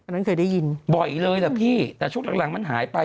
เราเคยได้ยินบ่อยแหละพี่แต่ชุดหลังมันหายไป